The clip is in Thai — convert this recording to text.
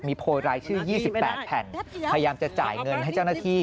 มีโพยรายชื่อ๒๘แผ่นพยายามจะจ่ายเงินให้เจ้าหน้าที่